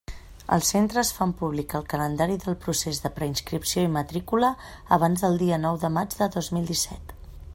Els centres fan públic el calendari del procés de preinscripció i matrícula abans del dia nou de maig de dos mil disset.